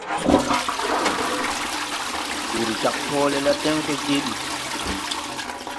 Wūr jāg hɔɔle la deŋ so je bi.